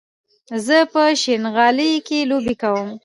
زه په شينغالي کې لوبې کوم